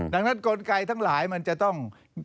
ดังนั้นกลไกทั้งหลายมันจะต้อง